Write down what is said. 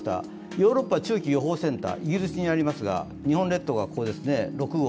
ヨーロッパ中期予報センター、イギリスにありますが、日本列島がここ、６号。